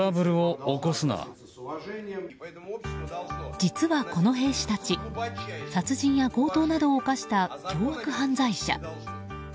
実はこの兵士たち殺人や強盗などを犯した凶悪犯罪者。